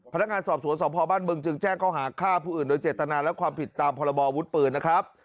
พนักงานสอบสวนสพบ้านบึงจึงแจ้งเขาหาฆ่าผู้อื่นโดยเจตนาและความผิดตามพรบอวุธปืนนะครับ